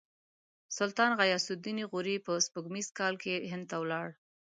سلطان غیاث الدین غوري په سپوږمیز کال کې هند ته ولاړ.